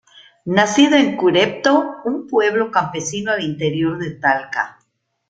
Nacido en Curepto, un pueblo campesino al interior de Talca.